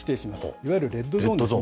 いわゆるレッドゾーンですね。